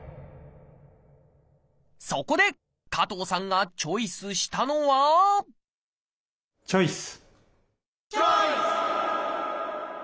そこで加藤さんがチョイスしたのはチョイス！